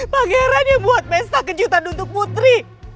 pangeran ya buat pesta kejutan untuk putri